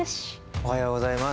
おはようございます。